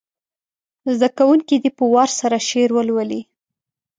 زده کوونکي دې په وار سره شعر ولولي.